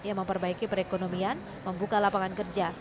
yang memperbaiki perekonomian membuka lapangan kerja